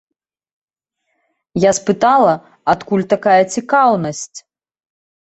Я спытала, адкуль такая цікаўнасць.